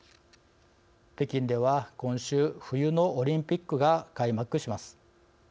北京では今週冬のオリンピックが開幕します。